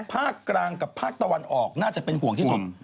ภาคกลางกับภาคตะวันออกน่าจะเป็นห่วงที่สุด